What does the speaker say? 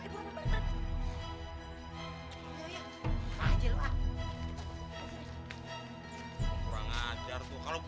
wajah kacak motornya pakai golok golok